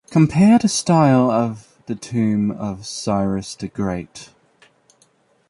Compare the style of the tomb of Cyrus the Great.